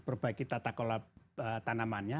perbaiki tata kolab tanamannya